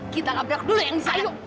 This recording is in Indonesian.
kita labrak dulu yang sayang